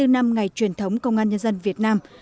bảy mươi bốn năm ngày truyền thống công an nhân dân việt nam